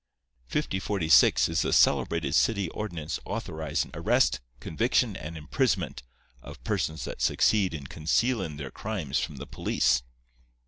"Fifty forty six is the celebrated city ordinance authorizin' arrest, conviction and imprisonment of persons that succeed in concealin' their crimes from the police.